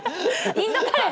インドカレー。